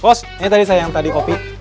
pos ini tadi saya yang tadi kopi